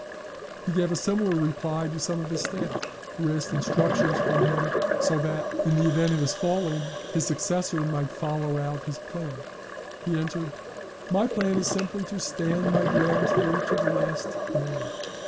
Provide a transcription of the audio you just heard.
He gave a similar reply to some of his staff; who asked instructions from him, so that, in the event of his falling, his successor might follow out his plan. He answered, "My plan is simply to stand my ground here to the last man."